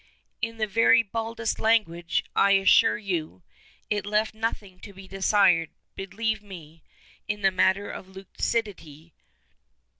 "In the very baldest language, I assure you. It left nothing to be desired, believe me, in the matter of lucidity.